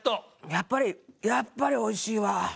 やっぱりやっぱりおいしいわ。